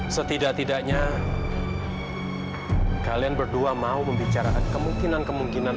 setidak tidaknya kalian berdua mau membicarakan kemungkinan kemungkinan